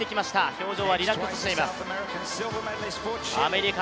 表情はリラックスしています。